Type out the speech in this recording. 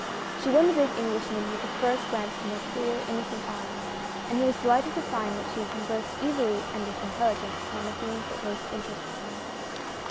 She won the big Englishman with the first glance from her clear, innocent eyes, and he was delighted to find that she conversed easily and with intelligence upon the themes that most interested him.